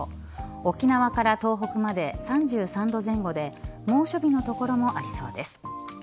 沖縄から東北まで、３３度前後で猛暑日の所もありそうです。